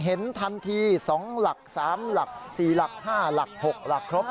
เห็นทันที๒หลัก๓หลัก๔หลัก๕หลัก๖หลักครบ